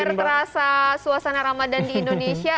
terasa suasana ramadan di indonesia